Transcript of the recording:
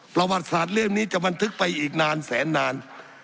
ประวัติศาสตร์เรื่องนี้จะบันทึกไปอีกนานแสนนาน